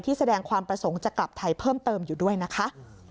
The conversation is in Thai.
แสดงความประสงค์จะกลับไทยเพิ่มเติมอยู่ด้วยนะคะ